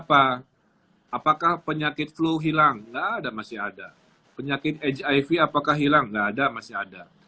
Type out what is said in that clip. apakah penyakit flu hilang nggak ada masih ada penyakit hiv apakah hilang nggak ada masih ada